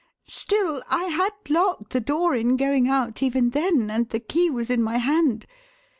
Still I had locked the door in going out even then and the key was in my hand.